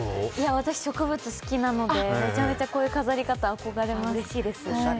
私、植物好きなのでめちゃめちゃこういう飾り方憧れます。